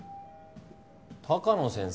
鷹野先生。